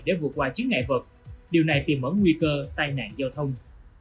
để vượt qua chiếc ngại vật điều này tìm ẩn nguy cơ tai nạn giao thông